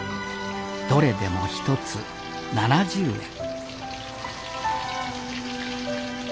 どれでも一つ７０円